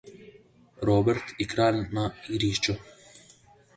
Robert je kralj na igrišču.